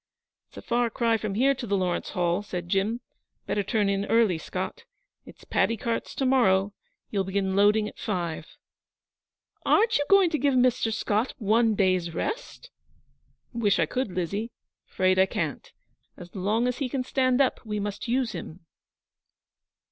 'It's a far cry from here to the Lawrence Hall,' said Jim. 'Better turn in early, Scott. It's paddy carts to morrow; you'll begin loading at five.' 'Aren't you going to give Mr. Scott one day's rest?' 'Wish I could, Lizzie. 'Fraid I can't. As long as he can stand up we must use him.'